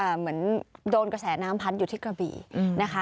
เหมือนโดนกระแสน้ำพัดอยู่ที่กระบี่นะคะ